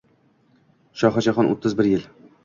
Shohi Jahon o’ttiz bir yil